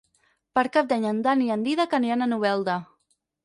Per Cap d'Any en Dan i en Dídac aniran a Novelda.